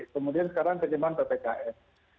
kemudian sekarang terjemahan ppkm